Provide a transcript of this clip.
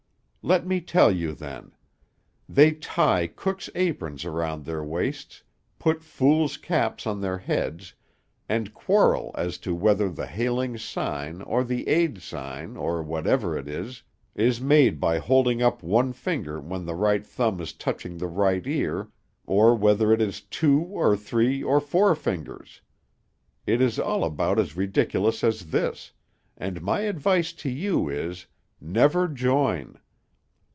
"Let me tell you, then. They tie cooks' aprons around their waists, put fools' caps on their heads, and quarrel as to whether the hailing sign, or the aid sign, or whatever it is, is made by holding up one finger when the right thumb is touching the right ear, or whether it is two or three or four fingers. It is all about as ridiculous as this, and my advice to you is, never join.